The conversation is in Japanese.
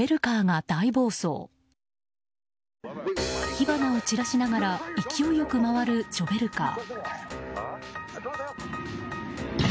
火花を散らしながら勢いよく回るショベルカー。